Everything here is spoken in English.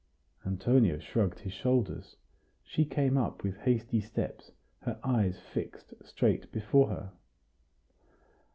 Antonio shrugged his shoulders. She came up with hasty steps, her eyes fixed straight before her.